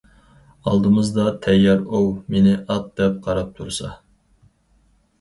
ئالدىمىزدا تەييار ئوۋ« مېنى ئات!» دەپ قاراپ تۇرسا.